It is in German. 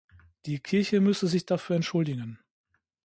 Die Kirche müsse sich dafür entschuldigen.